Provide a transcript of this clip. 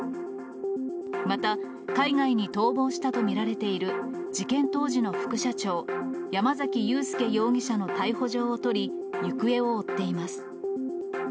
また、海外に逃亡したと見られている、事件当時の副社長、山崎裕輔容疑者の逮捕状を取り、行方を追っています。